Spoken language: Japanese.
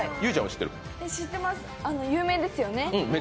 知ってます、有名ですよね。